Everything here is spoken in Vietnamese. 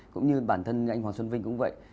cũng như bản thân như anh hoàng xuân vinh cũng vậy